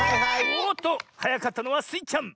おっとはやかったのはスイちゃん！